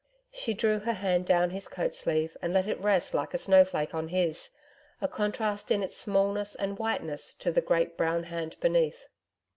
She drew her hand down his coat sleeve and let it rest like a snowflake on his a contrast in its smallness and whiteness to the great brown hand beneath.